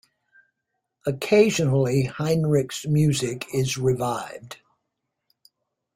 Occasionally Heinrich's music is revived.